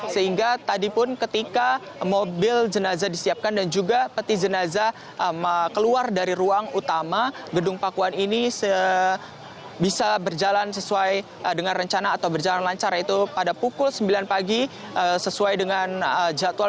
sehingga tadi pun ketika mobil jenazah disiapkan dan juga peti jenazah keluar dari ruang utama gedung pakuan ini bisa berjalan sesuai dengan rencana atau berjalan lancar yaitu pada pukul sembilan pagi sesuai dengan jadwal